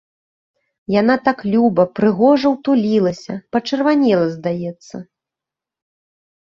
Яна так люба, прыгожа ўтулілася, пачырванела, здаецца.